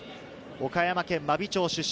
岡山県真備町出身。